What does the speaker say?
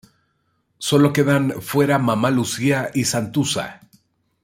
Solo quedan fuera Mamma Lucia y Santuzza.